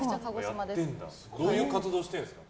どういう活動してるんですか